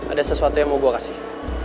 ada sesuatu yang mau gue kasih